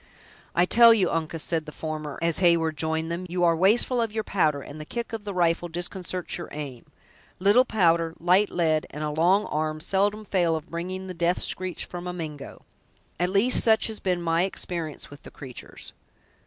"I tell you, Uncas," said the former, as Heyward joined them, "you are wasteful of your powder, and the kick of the rifle disconcerts your aim! Little powder, light lead, and a long arm, seldom fail of bringing the death screech from a Mingo! At least, such has been my experience with the creatur's.